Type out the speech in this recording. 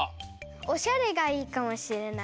おしゃれがいいかもしれない。